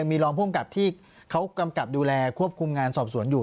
มีรองภูมิกับที่เขากำกับดูแลควบคุมงานสอบสวนอยู่